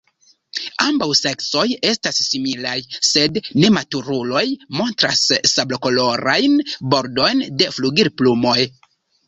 Ambaŭ seksoj estas similaj, sed nematuruloj montras sablokolorajn bordojn de flugilplumoj.